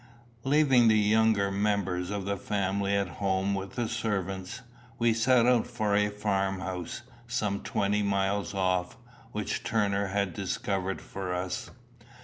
Leaving the younger members of the family at home with the servants, we set out for a farmhouse, some twenty miles off, which Turner had discovered for us.